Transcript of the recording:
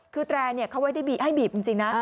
คือแกร่เขาไว้ให้บีบจริงนะ